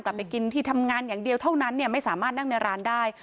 กลับไปกินที่ทำงานอย่างเดียวเท่านั้นไม่สามารถนั่งในร้านได้